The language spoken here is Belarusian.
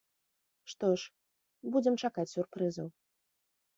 Што ж, будзем чакаць сюрпрызаў.